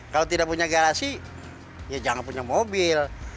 kalau tidak punya garasi ya jangan punya mobil